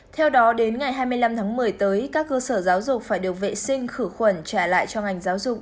theo đó đến ngày hai mươi năm tháng một mươi tới các cơ sở giáo dục phải được vệ sinh khử khuẩn trả lại cho ngành giáo dục